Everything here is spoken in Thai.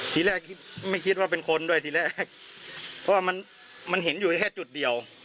ทีแรกคิดไม่คิดว่าเป็นคนด้วยทีแรกเพราะว่ามันมันเห็นอยู่แค่จุดเดียว